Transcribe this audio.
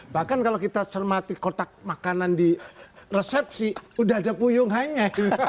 bahkan kalau kita cermati kotak makanan di resepsi udah ada puyung hanya